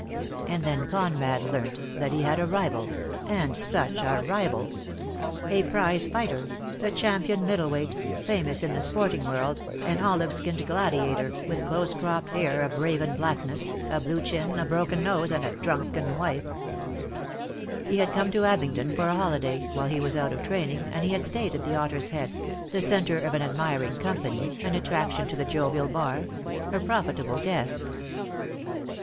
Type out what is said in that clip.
And then Conrad learnt that he had a rival, and such a rival ! A prize fighter, the champion middle weight, famous in the sporting world, an olive skinned gladiator, with close cropped hair of DEAD LOVE HAS CHAINS. Si raven blackness, a blue chin, a broken nose, and a drunken ^vife, He had come to Abingdon for a holiday, while he was out of training, and he had stayed at the "Otter's Head," the centre of an ad miring company, an attraction to the jovial bar, a profitable guest.